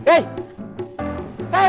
sudah minta permen